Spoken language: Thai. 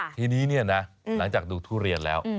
ทีนี้เนี่ยนะหลังจากดูทุเรียนแล้ว